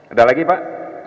ada lagi pak